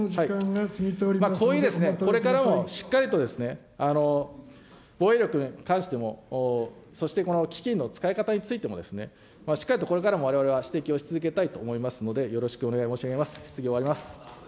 こういうこれからもしっかりと、防衛力に関しても、そしてこの基金の使い方についても、しっかりとこれからもわれわれは指摘をし続けたいと思いますので、よろしくお願いを申し上げます。